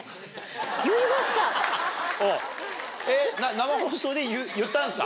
生放送で言ったんですか？